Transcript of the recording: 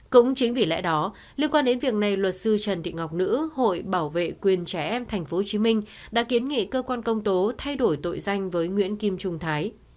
cũng chính vì lẽ đó liên quan đến việc này luật sư trần thị ngọc nữ hội bảo vệ quyền trẻ em tp hcm đã kiến nghị cơ quan công tố thay đổi tội danh với nguyễn kim trung thái